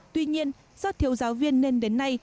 tuy nhiên do thiếu giáo viên nên đến nay